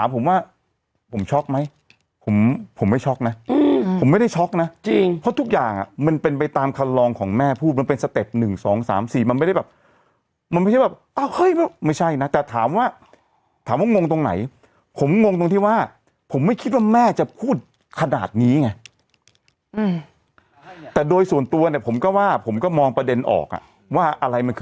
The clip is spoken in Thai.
ผมว่าผมช็อกไหมผมผมไม่ช็อกนะผมไม่ได้ช็อกนะจริงเพราะทุกอย่างมันเป็นไปตามคันลองของแม่พูดมันเป็นสเต็ป๑๒๓๔มันไม่ได้แบบมันไม่ใช่แบบอ้าวเฮ้ยไม่ใช่นะแต่ถามว่าถามว่างงตรงไหนผมงงตรงที่ว่าผมไม่คิดว่าแม่จะพูดขนาดนี้ไงแต่โดยส่วนตัวเนี่ยผมก็ว่าผมก็มองประเด็นออกอ่ะว่าอะไรมันคือ